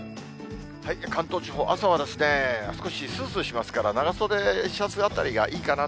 関東地方、朝は少しすーすーしますから、長袖シャツあたりがいいかな。